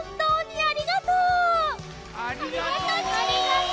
ありがとう。ありがとち。